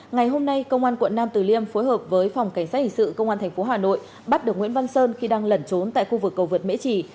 ngày hôm nay công an quận nam từ liêm phối hợp với phòng cảnh sát hình sự công an tp hà nội bắt được nguyễn văn sơn khi đang lẩn trốn tại khu vực cầu vượt mễ trì